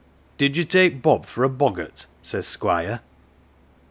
"' Did you take Bob for a boggart ?' says Squire.